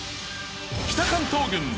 北関東軍